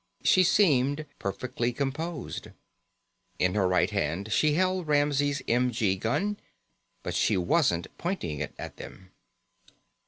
She seemed perfectly composed. In her right hand she held Ramsey's m.g. gun, but she wasn't pointing it at them.